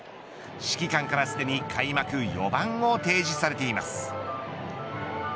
指揮官からすでに開幕４番を提示されています。